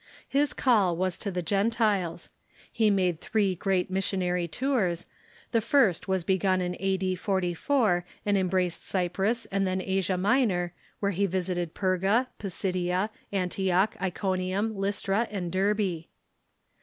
His call was to the Gentiles. He made three great missionary tours. The first Avas begun a.d. 44, and embraced Cj^prus, and then Asia Minor, Avhere he visited Perga, Pisidia, Antioch, Iconium, Lj's tra, and Derbe.